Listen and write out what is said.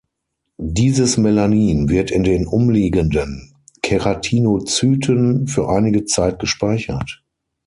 Dieses Melanin wird in den umliegenden Keratinozyten für einige Zeit gespeichert.